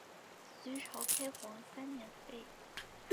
隋朝开皇三年废。